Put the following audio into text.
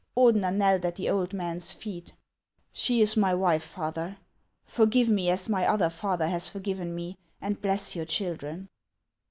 Ordener knelt at the old man's feet. " She is my wife, father ! Forgive me as my other father has forgiven me, and bless your children."